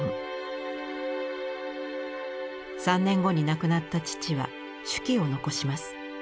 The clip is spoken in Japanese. ３年後に亡くなった父は手記を残します。